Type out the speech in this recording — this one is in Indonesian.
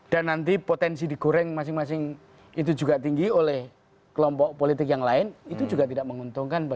dan nanti potensi digoreng masing masing itu juga tinggi oleh kelompok politik yang lain itu juga tidak menguntungkan bagi presiden